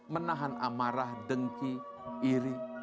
menahan amarah dengki iri